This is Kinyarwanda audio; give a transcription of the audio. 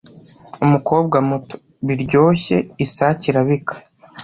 Umukobwa muto Biryoshye Isake irabika